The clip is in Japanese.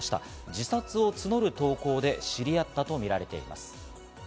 自殺を募る投稿で知り合ったとみられています。